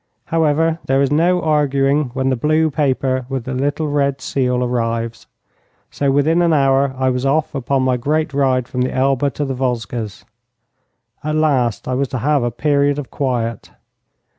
However, there is no arguing when the blue paper with the little red seal arrives, so within an hour I was off upon my great ride from the Elbe to the Vosges. At last I was to have a period of quiet.